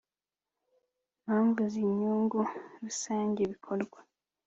mpamvu z inyungu rusange bikorwa